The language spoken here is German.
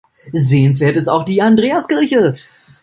Sehenswert ist auch die Andreaskirche.